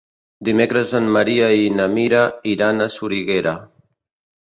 Dimecres en Maria i na Mira iran a Soriguera.